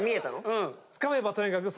うん。